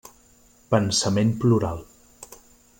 Pensament plural.